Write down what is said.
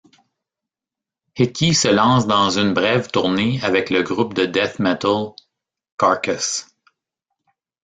Hickey se lance dans une brève tournée avec le groupe de death metal Carcass.